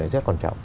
rất quan trọng